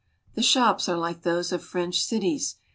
The shops are like _ those o£ French cities.